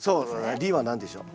「リ」は何でしょう？